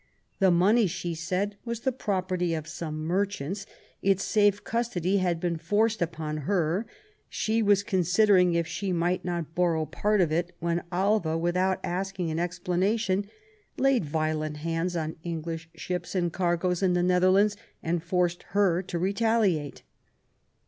The money, she said, was the property of some merchants : its safe custody had been forced upon her; she was considering if she might not borrow part of it, when Alva, without asking an explanation, laid violent hands on English ships and cargoes in the Netherlands, and had forced her to retaliate.